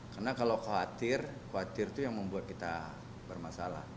karena kalau khawatir khawatir itu yang membuat kita bermasalah